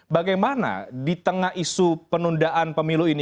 bagaimana di tengah isu penundaan pemilu ini